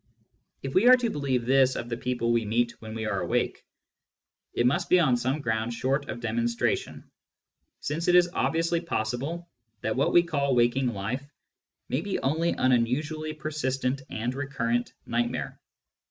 If we are to believe this of the people we meet when we are awake, it must be on some ground short of demonstration, since it is obviously possible that what we call waking life may be only an unusually persistent and recurrent nightmare.